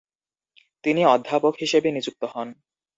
তিনি অধ্যাপক হিসেবে নিযুক্ত হন।